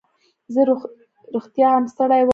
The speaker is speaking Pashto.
زه رښتیا هم ستړی وم.